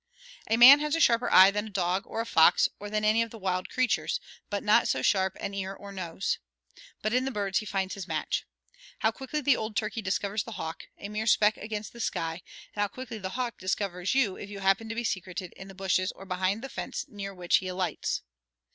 A man has a sharper eye than a dog, or a fox, or than any of the wild creatures, but not so sharp an ear or nose. But in the birds he finds his match. How quickly the old turkey discovers the hawk, a mere speck against the sky, and how quickly the hawk discovers you if you happen to be secreted in the bushes or behind the fence near which he alights!